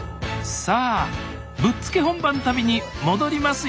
さあぶっつけ本番旅に戻りますよ